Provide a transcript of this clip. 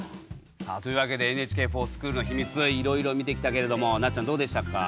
さあというわけで「ＮＨＫｆｏｒＳｃｈｏｏｌ」のヒミツいろいろ見てきたけれどもなっちゃんどうでしたか？